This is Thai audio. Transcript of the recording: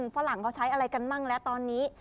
ฝรั่งเขาใช้อะไรกันบ้างแล้วตอนนี้